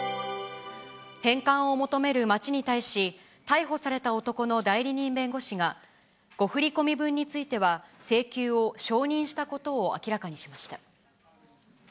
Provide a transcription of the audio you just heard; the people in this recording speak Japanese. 返還を求める町に対し、逮捕された男の代理人弁護士が、誤振り込み分については請求を承認したことを明らかにしました。